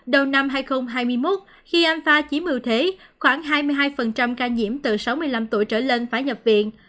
đầu năm hai nghìn hai mươi một khi amfa chỉ mưu thế khoảng hai mươi hai ca nhiễm từ sáu mươi năm tuổi trở lên phải nhập viện